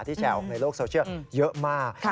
แชร์ออกในโลกโซเชียลเยอะมาก